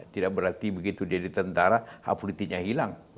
tidak berarti begitu jadi tentara hak politiknya hilang